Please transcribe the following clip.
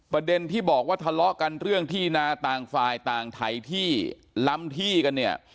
ประเด็นที่บอกว่าทะเลาะกันเรื่องที่นาต่างฝ่ายต่างถ่ายที่ล้ำที่กันเนี่ย